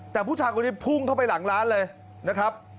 แต่ผู้ชายคนนี้พุ่งเข้าไปหลังร้านเลยนะครับ